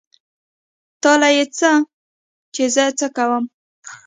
تا له يې څه چې زه څه کوم.